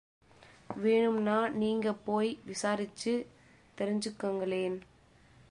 வேணும்னா நீங்க போய் விசாரிச்சு தெரிஞ்சுக்குங்களேன்.